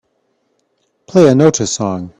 Play a Nóta song